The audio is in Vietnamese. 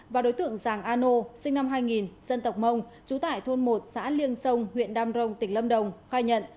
và đối tượng giàng an nô sinh năm hai nghìn dân tộc mông trú tại thôn một xã liêng sông huyện đam rồng tỉnh lâm đồng khai nhận